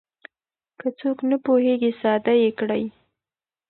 که څوک نه پوهېږي ساده يې کړئ.